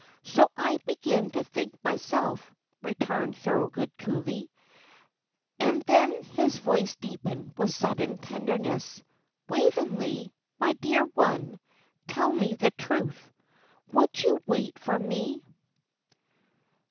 "So I begin to think myself," returned Thorold, coolly. And then his voice deepened with sudden tenderness. "Waveney, my dear one, tell me the truth. Would you wait for me?"